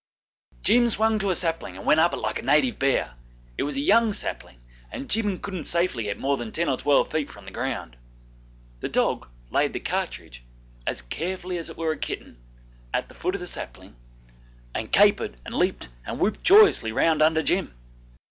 Jim swung to a sapling and went up it like a native bear; it was a young sapling, and Jim couldn't safely get more than ten or twelve feet from the ground. The dog laid the cartridge, as carefully as if it was a kitten, at the foot of the sapling, and capered and leaped and whooped joyously round under Jim.